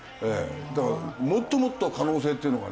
だからもっともっと可能性っていうのがね。